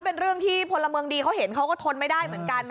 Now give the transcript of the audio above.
เป็นเรื่องที่พลเมืองดีเขาเห็นเขาก็ทนไม่ได้เหมือนกัน